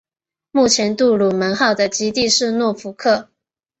目前杜鲁门号的基地是诺福克。